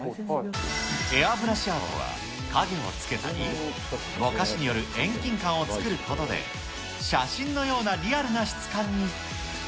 エアブラシアートは影をつけたり、ぼかしによる遠近感を作ることで、写真のようなリアルな質感に。